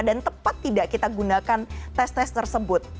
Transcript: dan tepat tidak kita gunakan tes tes tersebut